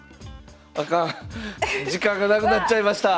あかん時間がなくなっちゃいました。